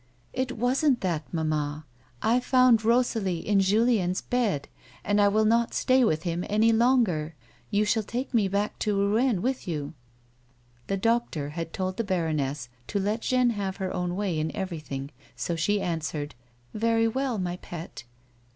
"It wasn't that, mamma. I found Rosalie in Julien's bed, and I will not stay with him any longer. Yo\i shall take me back to Rouen with joxi." A WOMAN'S LIFE. Ill The doctor had told the baroness to let Jeanne have her own way in everything, so she answered :" Very well, my pet."